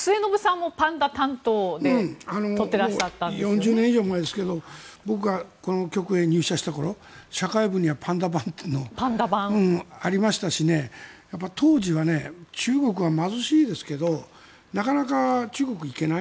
もう４０年以上前ですけど僕がこの局に入局した頃社会部にはパンダ番っていうのがありましたし当時は、中国は貧しいですけどなかなか中国に行けない。